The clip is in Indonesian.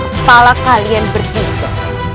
kepala kalian berdua